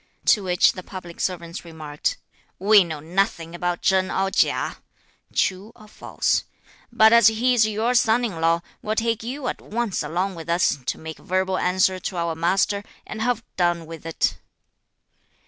To which the public servants remarked: "We know nothing about Chen or Chia (true or false); but as he is your son in law, we'll take you at once along with us to make verbal answer to our master and have done with it."